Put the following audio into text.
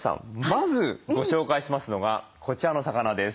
まずご紹介しますのがこちらの魚です。